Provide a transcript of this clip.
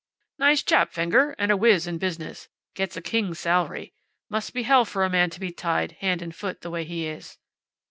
"Nice chap, Fenger. And a wiz in business. Get's a king's salary; Must be hell for a man to be tied, hand and foot, the way he is."